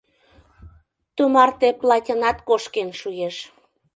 Тумарте платьынат кошкен шуэш.